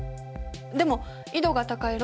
でも緯度が高い